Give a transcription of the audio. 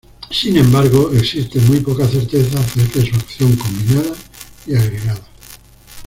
Sin embargo existen muy pocas certezas acerca de su acción combinada y agregada.